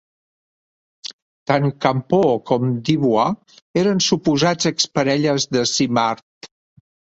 Tant Campeau com Dubois eren suposats exparelles de Simard.